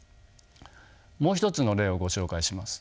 もう一つの例をご紹介します。